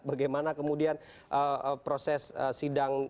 bagaimana kemudian proses sidang